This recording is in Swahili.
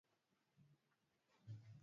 Siwezi kuulewa kitu chochote?